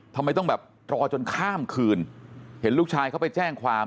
ทำไมต้องแบบรอจนข้ามคืนเห็นลูกชายเขาไปแจ้งความ